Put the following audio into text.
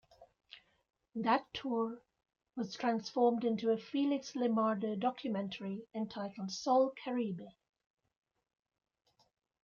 That tour was transformed into a Felix Limardo documentary entitled Sol Caribe.